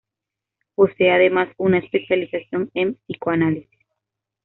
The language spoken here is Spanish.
Posee además, una especialización en psicoanálisis.